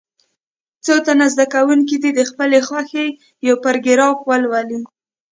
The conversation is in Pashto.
څو تنه زده کوونکي دې د خپلې خوښې یو پاراګراف ولولي.